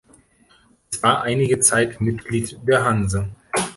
Es war einige Zeit Mitglied der Hanse.